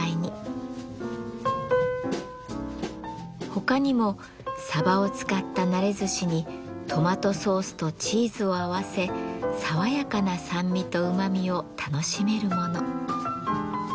他にも鯖を使った熟ずしにトマトソースとチーズを合わせ爽やかな酸味とうまみを楽しめるもの。